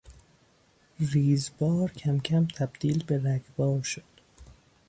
ریز بار کمکم تبدیل به رگبار شد.